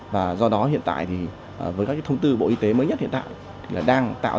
và do đó hiện tại thì với các cái thông tư bộ y tế mới nhất hiện tại